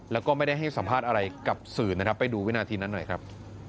แล้วก็ไม่ได้ให้สัมภาษณ์อะไรกับสื่อนะครับไปดูวินาทีนั้นหน่อยครับ